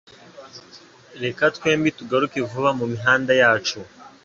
reka twembi tugaruke vuba mumihanda yacu